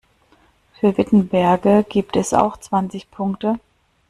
Für Wittenberge gibt es auch zwanzig Punkte.